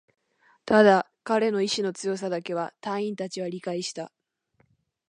ただ、彼の意志の強さだけは隊員達は理解した